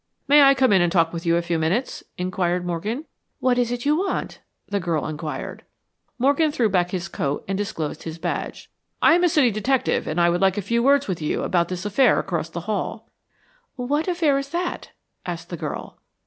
"May I come in and talk with you a few minutes?" inquired Morgan. "What is it you want?" the girl inquired. Morgan threw back his coat and disclosed his badge. "I am a city detective, and I would like a few words with you about this affair across the hall." "What affair is that?" asked the girl.